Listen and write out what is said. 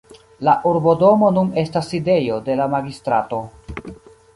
La urbodomo nun estas sidejo de la magistrato.